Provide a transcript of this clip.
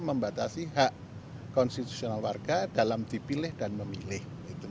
membatasi hak konstitusional warga dalam dipilih dan memilih